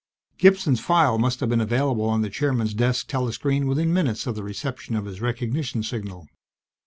Gibson's file must have been available on the Chairman's desk telescreen within minutes of the reception of his recognition signal.